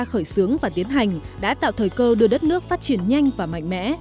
khởi xướng và tiến hành đã tạo thời cơ đưa đất nước phát triển nhanh và mạnh mẽ